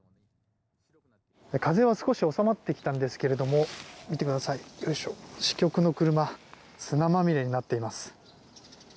風は少し収まってきたんですけれども見てください、支局の車が砂まみれになっています。